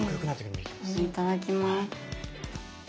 いただきます。